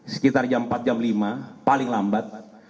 sekitar jam empat jam lima paling lambat